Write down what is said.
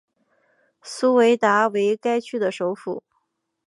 苏韦达为该区的首府。